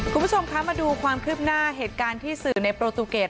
คุณผู้ชมคะมาดูความคืบหน้าเหตุการณ์ที่สื่อในโปรตูเกต